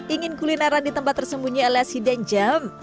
ingin kulineran di tempat tersembunyi alias hidden gem